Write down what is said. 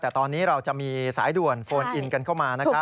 แต่ตอนนี้เราจะมีสายด่วนโฟนอินกันเข้ามา